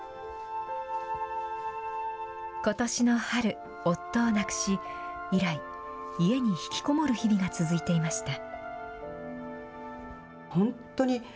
ことしの春、夫を亡くし、以来、家に引きこもる日々が続いていました。